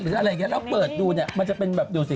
อะไรอย่างนี้แล้วเปิดดูเนี่ยมันจะเป็นแบบดูสิ